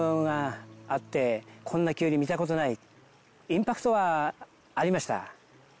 インパクトはありました。